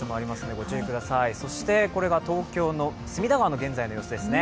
そしてこれが東京の隅田川の現在の様子ですね。